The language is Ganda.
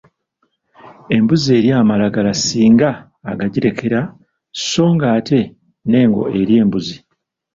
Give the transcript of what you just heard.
Embuzi erya amalagala singa agagirekera sso ng'ate n'engo erya embuzi.